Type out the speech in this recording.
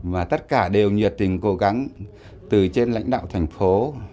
và tất cả đều nhiệt tình cố gắng từ trên lãnh đạo thành phố